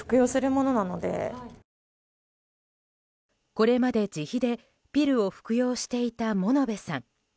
これまで自費でピルを服用していた物部さん。